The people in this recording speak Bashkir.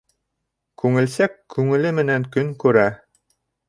Күңелсәк күңеле менән көн күрә.